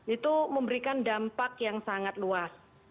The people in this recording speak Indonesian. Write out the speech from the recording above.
itu memberikan dampak yang sangat luas